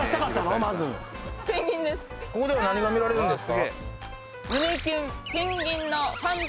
まずここでは何が見られるんですか？